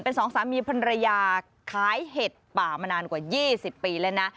เป็นสองสามีภรรยาขายเห็ดป่ามานานกว่า๒๐ปีแล้วนะ